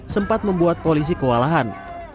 sempat membuat polisi kewalahan